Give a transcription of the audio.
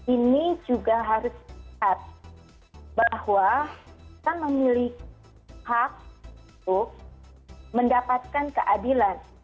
ini juga harus dilihat bahwa kita memiliki hak untuk mendapatkan keadilan